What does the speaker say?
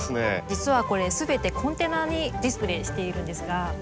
実はこれすべてコンテナにディスプレーしているんですが。